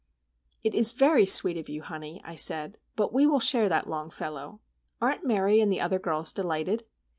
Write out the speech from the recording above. "It is very sweet of you, honey," I said; "but we will share that Longfellow. Aren't Mary and the other girls delighted?"